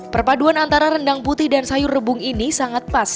perpaduan antara rendang putih dan sayur rebung ini sangat pas